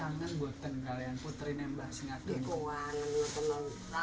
mbah kangen buatan kalian putrin yang mbah singatun